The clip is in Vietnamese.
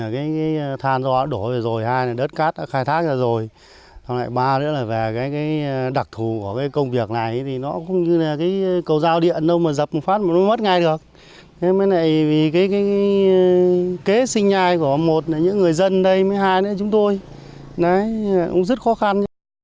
kế sinh nhai của một là những người dân đây với hai là chúng tôi đấy cũng rất khó khăn